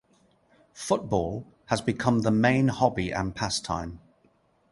Football has become the main hobby and pastime.